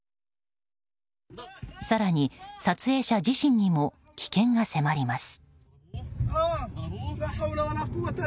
更に、撮影者自身にも危険が迫ります。